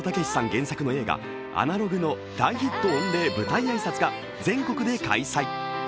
原作の映画「アナログ」の大ヒット御礼舞台挨拶が全国で開催。